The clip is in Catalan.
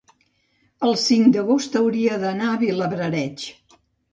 el cinc d'agost hauria d'anar a Vilablareix.